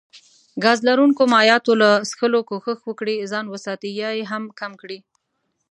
ګاز لرونکو مايعاتو له څښلو کوښښ وکړي ځان وساتي يا يي هم کم کړي